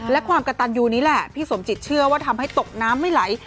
และความกระตันยูนี้แหละพี่สมจิตเชื่อว่าทำให้ตกน้ำไม่ไหล